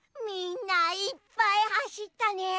みんないっぱいはしったね。